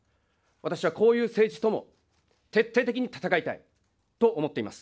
私はこういう政治とも徹底的に戦いたいと思っております。